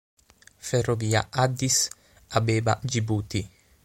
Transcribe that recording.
Ferrovia Addis Abeba-Gibuti